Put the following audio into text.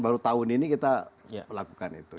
baru tahun ini kita melakukan itu